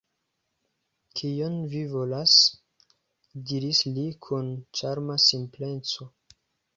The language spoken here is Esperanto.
«Kion vi volas? » diris li kun ĉarma simpleco.